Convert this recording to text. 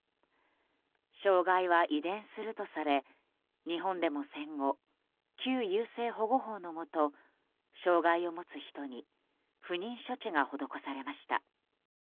障害は遺伝するとされ日本でも戦後旧優生保護法のもと障害を持つ人に不妊処置が施されました。